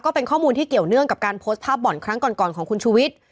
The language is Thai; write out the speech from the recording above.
เป็นข้อมูลที่เกี่ยวเนื่องกับการโพสต์ภาพบ่อนครั้งก่อนของคุณชูวิทย์